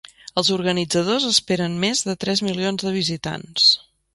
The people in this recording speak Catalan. Els organitzadors esperen més de tres milions de visitants.